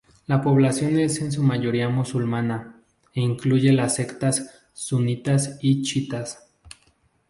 La población es en su mayoría musulmana, e incluye las sectas sunitas y chiitas.